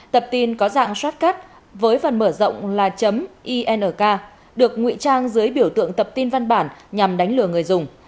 tập tin có dạng shartcale với phần mở rộng là ink được ngụy trang dưới biểu tượng tập tin văn bản nhằm đánh lừa người dùng